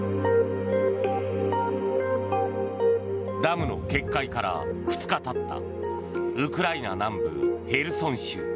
ダムの決壊から２日経ったウクライナ南部ヘルソン州。